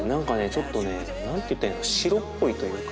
ちょっとね何て言ったらいいんだ白っぽいというか。